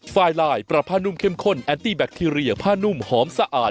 ไฟลายปรับผ้านุ่มเข้มข้นแอนตี้แบคทีเรียผ้านุ่มหอมสะอาด